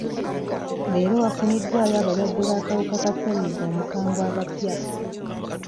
Leero wafuniddwayo abalwadde b'akawuka ka ssenyiga omukambwe abapya.